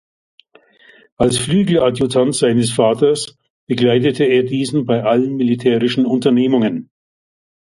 Als Flügeladjutant seines Vaters begleitete er diesen bei allen militärischen Unternehmungen.